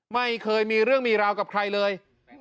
ไม่เคยมีเรื่องมีราวกับใครเลย